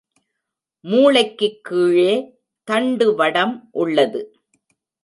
மூளைக்குக் கீழே தண்டுவடம் உள்ளது.